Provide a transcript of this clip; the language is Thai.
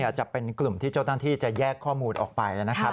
จะเป็นกลุ่มที่เจ้าหน้าที่จะแยกข้อมูลออกไปนะครับ